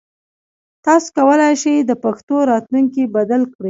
تاسو کولای شئ د پښتو راتلونکی بدل کړئ.